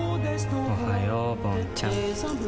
おはようぼんちゃん。